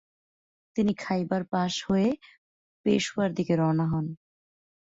তিনি খাইবার পাস হয়ে পেশাওয়ার দিকে রওনা হন।